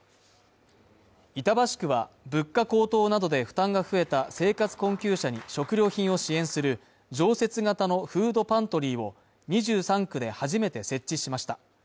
板橋区は、物価高騰などで負担が増えた生活困窮者に食料品を支援する常設型のフードパントリーを２３区で初めて設置しました。